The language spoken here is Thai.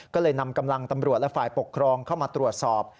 ก็เลยนำกำลังตำรวจและฝ่ายปกครองเข้ามาตรวจสอบ